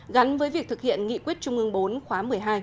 gắn với việc thực hiện nghị quyết trung ương bốn khóa một mươi hai